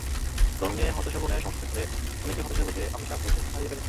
ব্রণ নিয়ে হতাশাব্রণের সমস্যা নিয়ে অনেকেই হতাশায় ভোগে, অনেকে আত্মবিশ্বাস ফেলে হারিয়ে।